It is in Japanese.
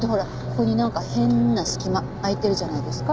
ここになんか変な隙間空いてるじゃないですか。